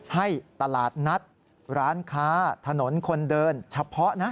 ให้ตลาดนัดร้านค้าถนนคนเดิน